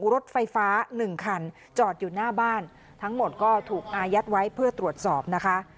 รถไฟฟ้าหนึ่งคันจอดอยู่หน้าบ้านทั้งหมดก็ถูกอายัดไว้เพื่อตรวจสอบนะคะ